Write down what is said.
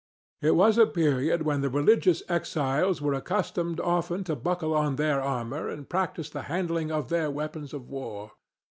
It was a period when the religious exiles were accustomed often to buckle on their armor and practise the handling of their weapons of war.